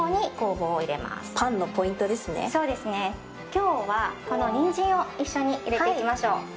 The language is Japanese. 今日はこのニンジンを一緒に入れていきましょう。